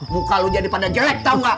bukan lo jadi pada jelek tau gak